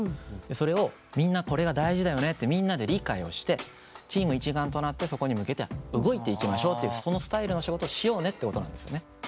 それをみんなこれが大事だよねってみんなで理解をしてチーム一丸となってそこに向けて動いていきましょうっていうそのスタイルの仕事をしようねってことなんですよね。